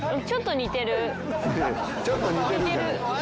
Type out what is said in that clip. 似てるちょっと似てる。